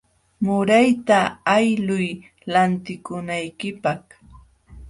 Murayta haluy lantikunaykipaq.